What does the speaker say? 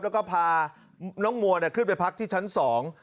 แล้วก็พาน้องมัวเนี่ยขึ้นไปพักที่ชั้นสอง